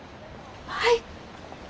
はい。